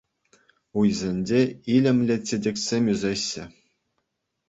Уйсенче илемлӗ чечексем ӳсеҫҫӗ.